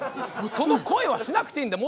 その声はしなくていいんだよ。